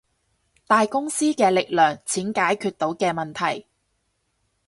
大公司嘅力量，錢解決到嘅問題